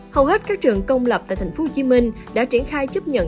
hầu hết các trường công lập tại tp hcm đã triển khai chấp nhận